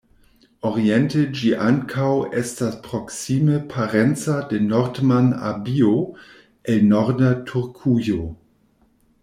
Oriente ĝi ankaŭ estas proksime parenca de Nordman-abio el norda Turkujo.